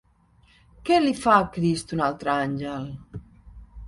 Què li fa a Crist un altre àngel?